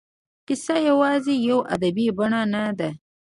کیسه یوازې یوه ادبي بڼه نه ده.